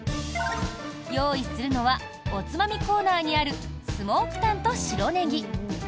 用意するのはおつまみコーナーにあるスモークタンと白ネギ。